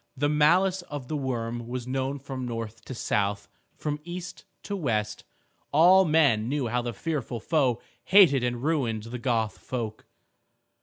The malice of the worm was known from north to south, from east to west. All men knew how the fearful foe hated and ruined the Goth folk.